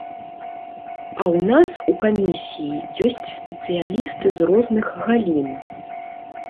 А ў нас у камісіі ёсць спецыялісты з розных галін.